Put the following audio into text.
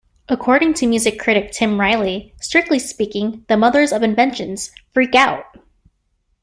According to music critic Tim Riley, "Strictly speaking, the Mothers of Invention's "Freak Out!